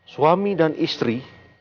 suami dan istri